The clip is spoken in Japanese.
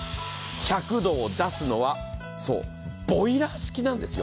１００度を出すのは、そう、ボイラー式なんですよ。